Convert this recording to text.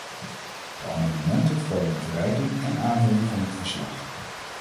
De amendementen vormen een verrijking en aanvulling van het verslag.